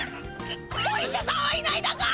お医者さんはいないだか！？